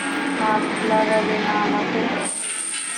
হাত লাগাবে না আমাকে!